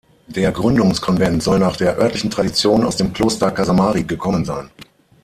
Der Gründungskonvent soll nach der örtlichen Tradition aus dem Kloster Casamari gekommen sein.